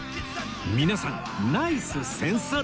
皆さんナイスセンス！